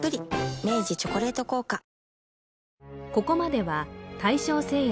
明治「チョコレート効果」お？